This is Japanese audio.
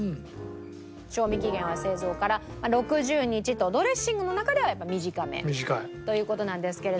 賞味期限は製造から６０日とドレッシングの中ではやっぱ短めという事なんですけれども。